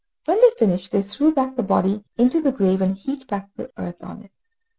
When they had finished, they threw back the body into the grave, and heaped back the earth upon it.